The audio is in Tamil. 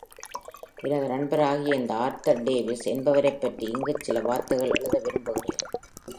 எனது நண்பராகிய இந்த ஆர்தர் டேவிஸ் என்பவரைப் பற்றி இங்குச் சில வார்த்தைகள் எழுத விரும்புகிறேன்.